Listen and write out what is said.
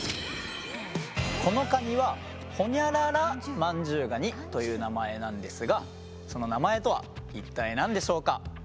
このカニはほにゃららマンジュウガニという名前なんですがその名前とは一体何でしょうか。